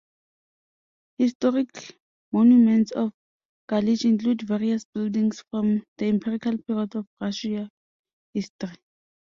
Historic monuments of Galich include various buildings from the imperial period of Russian history.